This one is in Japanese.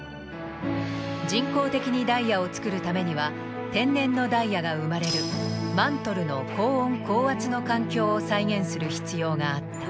人工的にダイヤを作るためには天然のダイヤが生まれるマントルの高温高圧の環境を再現する必要があった。